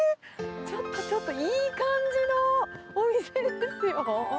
ちょっとちょっと、いい感じのお店ですよ。